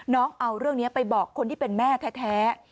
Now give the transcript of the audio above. น้องเอาเรื่องนี้ไปบอกคนที่เป็นแม่แท้